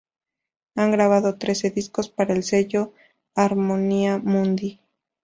Han grabado trece discos para el sello Harmonia Mundi.